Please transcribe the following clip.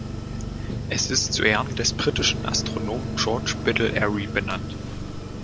Es ist zu Ehren des britischen Astronomen George Biddell Airy benannt.